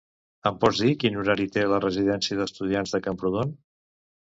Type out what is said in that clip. Em pots dir quin horari té la residència d'estudiants de Camprodon?